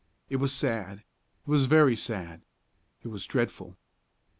It was sad, it was very sad, it was dreadful!